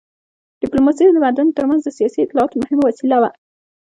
ډیپلوماسي د تمدنونو تر منځ د سیاسي اطلاعاتو مهمه وسیله وه